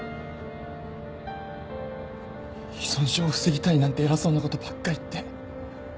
依存症を防ぎたいなんて偉そうなことばっか言って。